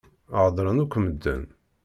Heddṛen akk medden.